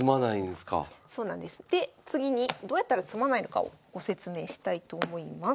で次にどうやったら詰まないのかをご説明したいと思います。